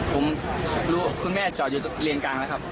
ผมรู้คุณแม่จอดอยู่เลนกลางแล้วครับ